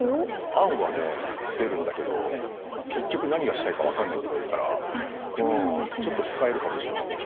案はね出るんだけど結局何がしたいか分かんないこと多いからちょっと使えるかもしれないね。